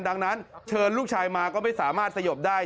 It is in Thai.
ดังนั้นเชิญลูกชายมาก็ไม่สามารถสยบได้